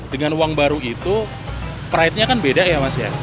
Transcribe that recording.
dengan uang baru itu pride nya kan beda ya mas ya